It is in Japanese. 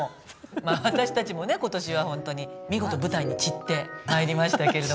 まあ私たちもね今年はホントに見事舞台に散って参りましたけれど。